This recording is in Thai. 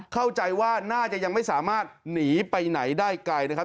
เข้าใจว่าน่าจะยังไม่สามารถหนีไปไหนได้ไกลนะครับ